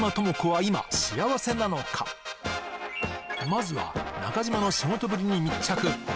まずは中島の仕事ぶりに密着。